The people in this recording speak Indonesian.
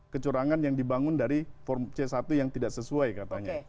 kecurangan yang dibangun dari form c satu yang tidak sesuai katanya